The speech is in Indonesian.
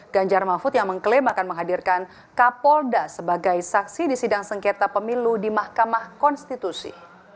ganjar mahfud yang mengklaim akan menghadirkan kapolda sebagai saksi di sidang sengketa pemilu di mahkamah konstitusi